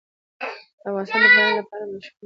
افغانستان د باران لپاره مشهور دی.